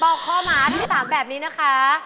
อกคอหมาทั้ง๓แบบนี้นะคะ